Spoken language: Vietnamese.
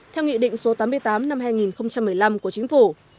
theo nghị định số tám mươi tám năm hai nghìn một mươi năm của chính phủ